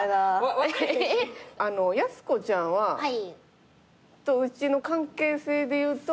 やす子ちゃんとうちの関係性でいうと。